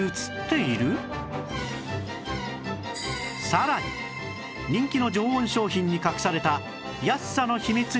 さらに人気の常温商品に隠された安さの秘密に迫る！